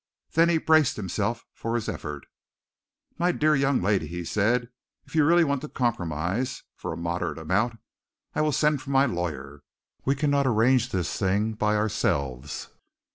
Then he braced himself for his effort. "My dear young lady," he said, "if you really want to compromise for a moderate amount I will send for my lawyer. We cannot arrange this thing by ourselves."